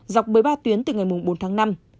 dọc bởi ba tuyến từ ngày bốn tháng năm